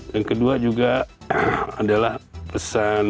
yang kedua juga adalah pesan